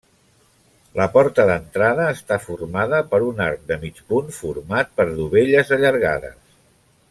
La porta d'entrada està formada per un arc de mig punt format per dovelles allargades.